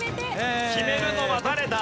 決めるのは誰だ？